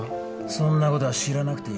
そんなことは知らなくていい。